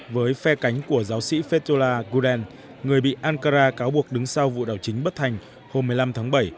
với phe cánh của giáo sĩ la guden người bị ankara cáo buộc đứng sau vụ đảo chính bất thành hôm một mươi năm tháng bảy